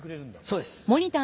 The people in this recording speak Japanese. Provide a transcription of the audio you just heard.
そうです。